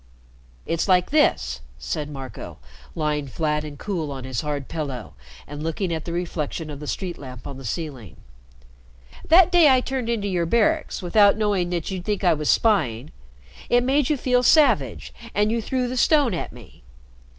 "It's like this," said Marco, lying flat and cool on his hard pillow and looking at the reflection of the street lamp on the ceiling. "That day I turned into your Barracks, without knowing that you'd think I was spying, it made you feel savage, and you threw the stone at me.